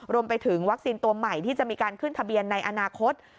รวมไปถึงวัคซีนตัวใหม่ที่จะมีการขึ้นทะเบียนในอนาคต